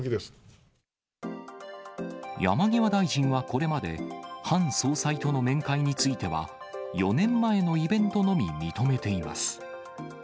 山際大臣はこれまで、ハン総裁との面会については、４年前のイベントのみ認めています。